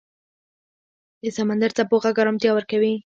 د سمندر څپو غږ آرامتیا ورکوي.